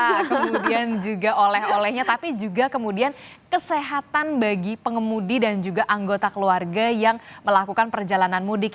kemudian juga oleh olehnya tapi juga kemudian kesehatan bagi pengemudi dan juga anggota keluarga yang melakukan perjalanan mudik